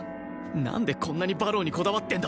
なんでこんなに馬狼にこだわってんだ？